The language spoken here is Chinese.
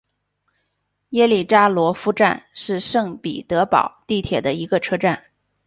耶利扎罗夫站是圣彼得堡地铁的一个车站。